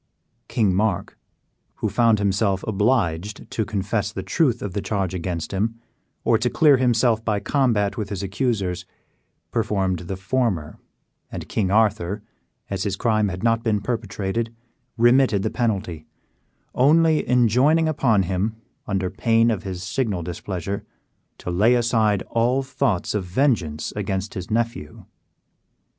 King Mark, who found himself obliged to confess the truth of the charge against him, or to clear himself by combat with his accusers, preferred the former, and King Arthur, as his crime had not been perpetrated, remitted the penalty, only enjoining upon him, under pain of his signal displeasure, to lay aside all thoughts of vengeance against his nephew.